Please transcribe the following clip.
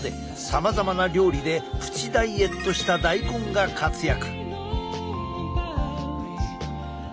さまざまな料理でプチダイエットした大根が活躍！